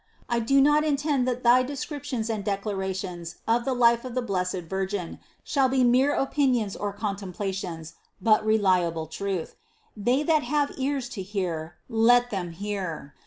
I do not intend that thy descriptions and declarations of the life of the Blessed Virgin shall be mere opinions or contemplations, but reliable truth. They that have ears to hear, let them hear.